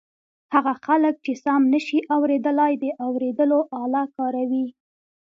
هغه خلک چې سم نشي اورېدلای د اوریدلو آله کاروي.